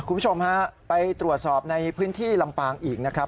คุณผู้ชมฮะไปตรวจสอบในพื้นที่ลำปางอีกนะครับ